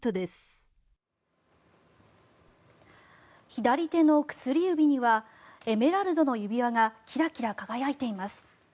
左手の薬指にはエメラルドの指輪がキラキラ輝いています。